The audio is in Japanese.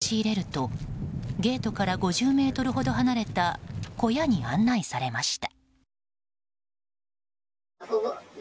取材を申し入れるとゲートから５０ｍほど離れた小屋に案内されました。